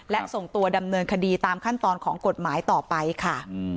และส่งตัวดำเนินคดีตามขั้นตอนของกฎหมายต่อไปค่ะ